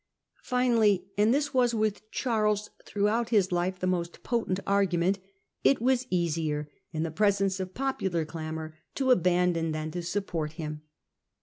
Finally — and this was with Charles throughout life the most potent argument — it was easier, in the presence of popular clamour, to abandon than to support him.